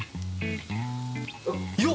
よっ！